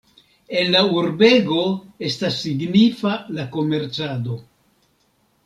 En la urbego estas signifa la komercado.